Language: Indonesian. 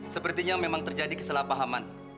sepertinya memang terjadi kesalahpahaman